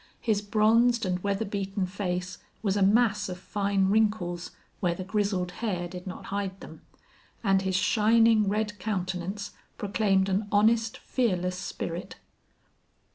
His bronzed and weather beaten face was a mass of fine wrinkles where the grizzled hair did not hide them, and his shining, red countenance proclaimed an honest, fearless spirit.